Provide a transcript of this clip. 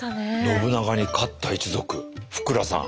信長に勝った一族福羅さん。